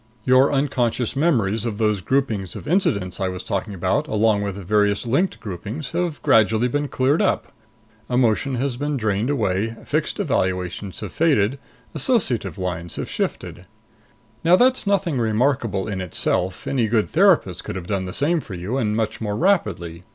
Your unconscious memories of those groupings of incidents I was talking about, along with various linked groupings, have gradually been cleared up. Emotion has been drained away, fixed evaluations have faded. Associative lines have shifted. "Now that's nothing remarkable in itself. Any good therapist could have done the same for you, and much more rapidly.